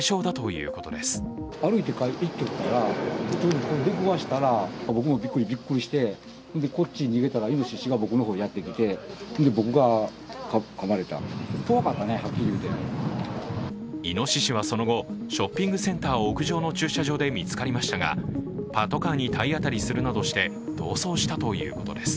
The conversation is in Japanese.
いのししはその後、ショッピングセンター屋上の駐車場で見つかりましたがパトカーに体当たりするなどして逃走したということです。